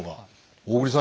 大栗さん